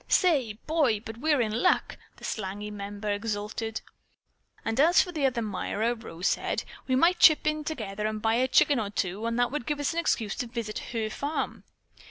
"Say, Boy, but we're in luck!" the slangy member exulted. "And as for the other Myra," Rose said, "we might chip together and buy a chicken or two, and that would give us an excuse to visit her farm."